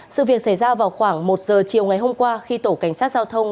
sự việc xảy ra vào khoảng một giờ chiều ngày hôm qua khi tổ cảnh sát giao thông